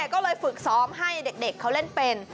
ก็เลยฝึกซ้อมให้เด็กเขาเล่นเป็น